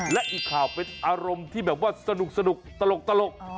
และอีกข่าวเป็นอารมณ์ที่แบบว่าสนุกตลก